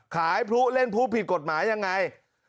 ขายพลุเล่นผู้ผิดกฎหมายยังไง